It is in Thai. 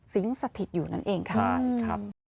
สิงห์สถิตย์อยู่นั่นเองครับ